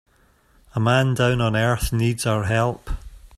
A man down on earth needs our help.